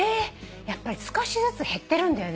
やっぱり少しずつ減ってるんだよね。